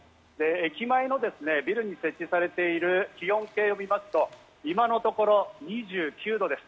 駅前のですね、ビルに設置されている気温計を見ますと、今のところ２９度です。